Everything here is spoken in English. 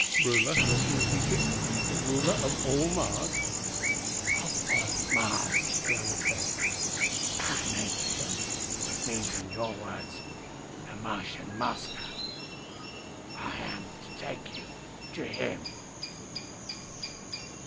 "Ruler?" Milton repeated. "A ruler of all Mars?" "Of all Mars," the other said. "Our name for him would mean in your words the Martian Master. I am to take you to him."